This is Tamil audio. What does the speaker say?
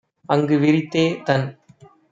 அங்கு விரித்தே - தன்